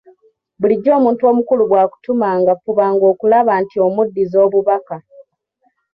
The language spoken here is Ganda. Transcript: Bulijjo omuntu omukulu bw’akutumanga fubanga okulaba nti omuddiza obubaka.